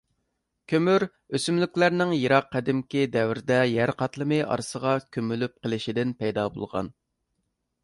كۆمۈر ئۆسۈملۈكلەرنىڭ يىراق قەدىمكى دەۋردە يەر قاتلىمى ئارىسىغا كۆمۈلۈپ قېلىشىدىن پەيدا بولغان.